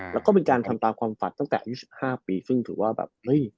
แล้วก็เป็นการทำตามความฝันตั้งแต่อายุ๑๕ปีซึ่งถือว่าแบบเฮ้ย